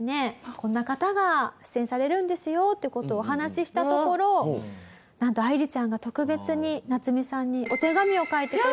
こんな方が出演されるんですよっていう事をお話ししたところなんと愛理ちゃんが特別にナツミさんにお手紙を書いてくれました。